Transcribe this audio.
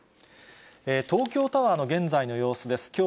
東京タワーの現在の様子です。